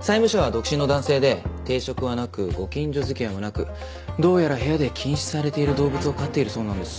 債務者は独身の男性で定職はなくご近所付き合いもなくどうやら部屋で禁止されている動物を飼っているそうなんです。